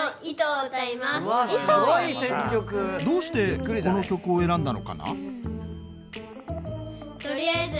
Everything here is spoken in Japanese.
どうしてこの曲を選んだのかな？